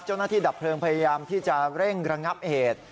เจ้าหน้าที่ดับเพลิงพยายามที่จะเร่งระงับเหตุ